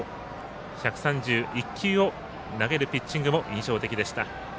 １３１球を投げるピッチングも印象的でした。